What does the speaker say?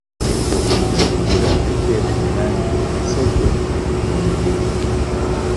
Huko kuna mazingira ya pekee duniani yenye sokwe wa milimani.